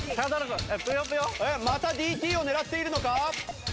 またＤＴを狙っているのか？